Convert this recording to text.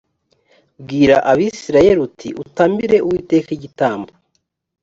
bwira abisirayeli uti utambire uwiteka igitambo